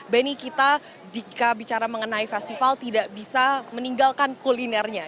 benny kita jika bicara mengenai festival tidak bisa meninggalkan kulinernya